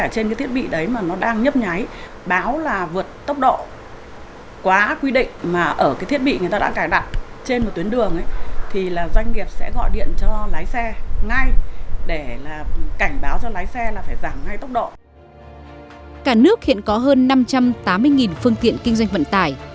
cả nước hiện có hơn năm trăm tám mươi phương tiện kinh doanh vận tải